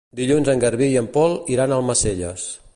Dilluns en Garbí i en Pol iran a Almacelles.